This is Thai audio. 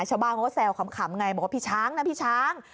ชาวบ้านเขาก็แซวขำไงบอกว่าพี่ช้างนะพี่ช้าง